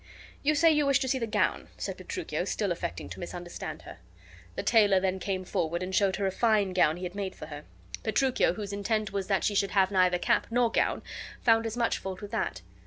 "You say you wish to see the gown," said Petruchio, still affecting to misunderstand her. The tailor then came forward and showed her a fine gown he had made for her. Petruchio, whose intent was that she should have neither cap nor gown, found as much fault with that.